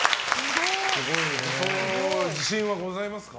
自信はございますか？